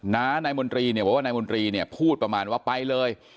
นายมนตรีพูดประมาณว่าไปเลย